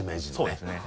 そうですね。